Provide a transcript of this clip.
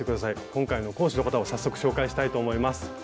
今回の講師の方を早速紹介したいと思います。